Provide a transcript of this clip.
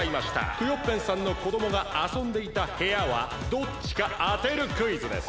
クヨッペンさんのこどもがあそんでいた部屋はどっちかあてるクイズです。